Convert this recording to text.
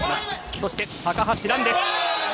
そして高橋藍です。